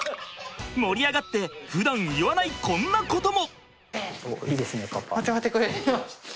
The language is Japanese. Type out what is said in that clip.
盛り上がってふだん言わないこんなことも。